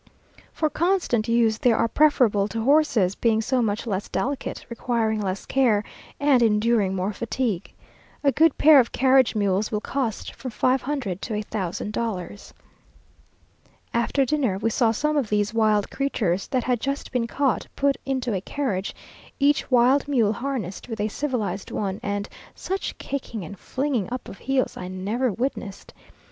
For constant use they are preferable to horses, being so much less delicate, requiring less care, and enduring more fatigue. A good pair of carriage mules will cost from five hundred to a thousand dollars. After dinner we saw some of these wild creatures, that had just been caught, put into a carriage, each wild mule harnessed with a civilized one, and such kicking and flinging up of heels I never witnessed.